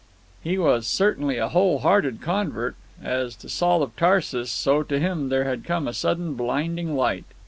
He was certainly a whole hearted convert. As to Saul of Tarsus, so to him there had come a sudden blinding light.